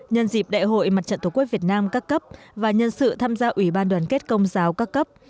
nhân dịp đại hội mặt trận tổ quốc việt nam các cấp và nhân sự tham gia ủy ban đoàn kết công giáo các cấp